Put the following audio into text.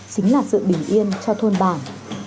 chính là sự bình yên cho thôn bản